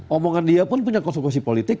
omongan dia pun punya konsekuensi politik